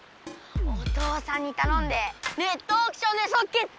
お父さんにたのんでネットオークションでそっけつ！